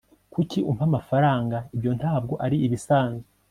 kuki umpa amafaranga ibyo ntabwo ari ibisanzwe